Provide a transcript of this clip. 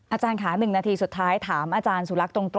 อาจารย์ค่ะ๑นาทีสุดท้ายถามอาจารย์สุรักษ์ตรง